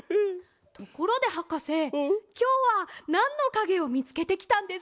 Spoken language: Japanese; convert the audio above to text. ところではかせきょうはなんのかげをみつけてきたんですか？